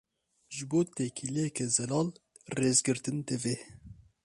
Ji bo têkiliyeke zelal, rêzgirtin divê.